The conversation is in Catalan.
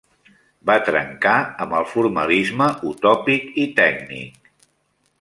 Va trencar amb el formalisme utòpic i tècnic.